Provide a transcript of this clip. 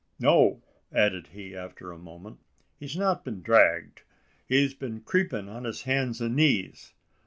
"No!" added he, after a moment, "he's not been dragged; he's been creepin' on his hands an' knees.